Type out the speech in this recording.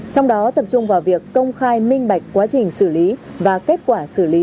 trong đó tập trung vào việc công khai minh bạch quá trình xử lý và kết quả xảy ra